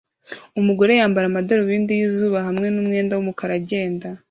Umugore yambara amadarubindi yizuba hamwe numwenda wumukara agenda